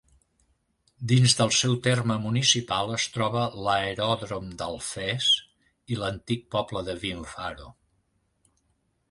Dins del seu terme municipal es troba l'Aeròdrom d'Alfés i l'antic poble de Vinfaro.